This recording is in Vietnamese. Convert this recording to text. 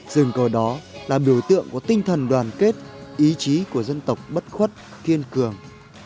rừng cờ đó là biểu tượng của tinh thần đoàn kết ý chí của dân tộc bất khuất kiên cường